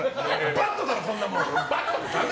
バッドだろ、こんなもん！